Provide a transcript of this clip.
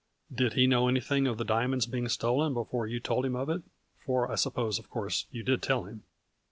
" Did he know anything of the diamonds being stolen before you told him of it, for I suppose, of course, you did tell him